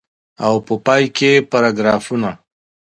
او په پای کي پاراګرافونه.